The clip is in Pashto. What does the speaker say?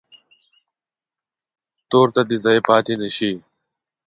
تور ته دې ځای پاتې نه شي.